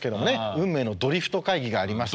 運命のドリフト会議がありまして。